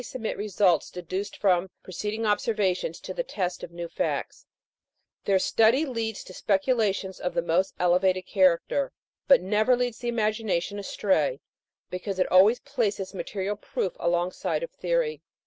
submit results deduced from preceding observations to the test of new facts ; their study leads to specu lations of the most elevated character, but never leads the imagination astray, because it always places material proof alongside of theory.